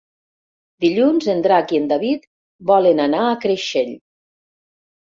Dilluns en Drac i en David volen anar a Creixell.